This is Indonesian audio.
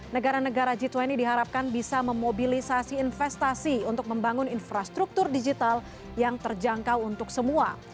negara negara g dua puluh diharapkan bisa memobilisasi investasi untuk membangun infrastruktur digital yang terjangkau untuk semua